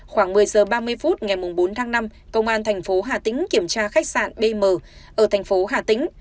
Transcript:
khoảng một mươi giờ ba mươi phút ngày bốn tháng năm công an tp hà tĩnh kiểm tra khách sạn bm ở tp hà tĩnh